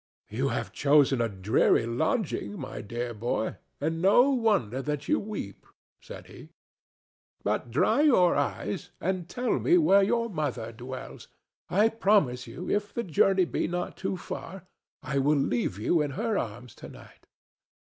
"You have chosen a dreary lodging, my poor boy, and no wonder that you weep," said he. "But dry your eyes and tell me where your mother dwells; I promise you, if the journey be not too far, I will leave you in her arms tonight."